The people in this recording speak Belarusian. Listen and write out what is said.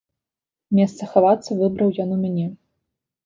Месца хавацца выбраў ён у мяне.